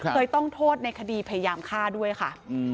เคยต้องโทษในคดีพยายามฆ่าด้วยค่ะ